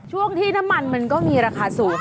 ช่วงที่น้ำมันมันก็มีราคาสูง